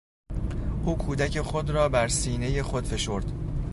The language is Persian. او کودک خود را بر سینهی خود فشرد.